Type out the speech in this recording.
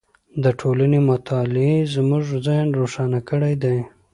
د ټولنې مطالعې زموږ ذهن روښانه کړی دی.